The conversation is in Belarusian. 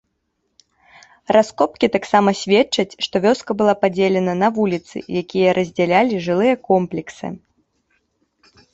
Раскопкі таксама сведчаць, што вёска была падзелена на вуліцы, якія раздзялялі жылыя комплексы.